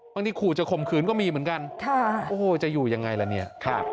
ขู่จะข่มขืนก็มีเหมือนกันค่ะโอ้โหจะอยู่ยังไงล่ะเนี่ย